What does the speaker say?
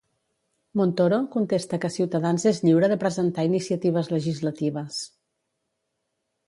Montoro contesta que Cs és lliure de presentar iniciatives legislatives.